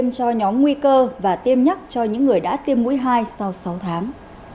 bộ y tế đã ưu tiên tiêm cho nhóm nguy cơ và tiêm nhắc cho những người đã tiêm mũi hai sau sáu tháng